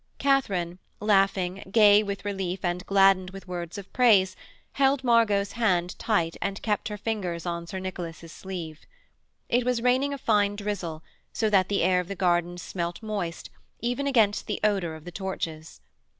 Katharine, laughing, gay with relief and gladdened with words of praise, held Margot's hand tight and kept her fingers on Sir Nicholas' sleeve. It was raining a fine drizzle, so that the air of the gardens smelt moist even against the odour of the torches.